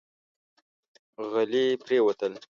غلي پرېوتل.